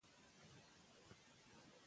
د منفي خلکو سره مستقیم ښکېلتیا مه کوئ.